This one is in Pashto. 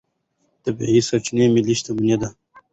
طبیعي سرچینې ملي شتمني ده.